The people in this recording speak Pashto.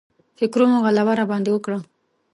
فکرونو غلبه راباندې وکړه.